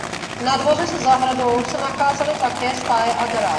Na dvoře se zahradou se nacházely také stáje a garáž.